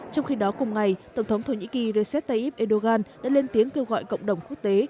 trong khi đó cùng ngày tổng thống thổ nhĩ kỳ recep tayyip erdogan đã lên tiếng kêu gọi cộng đồng quốc tế